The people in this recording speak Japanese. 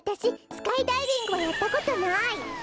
スカイダイビングはやったことない。